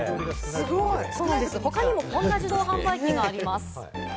他にもこんな自動販売機があります。